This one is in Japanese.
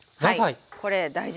これ大事。